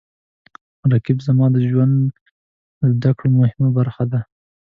رقیب زما د ژوند د زده کړو مهمه برخه ده